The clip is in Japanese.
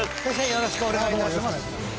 よろしくお願いします。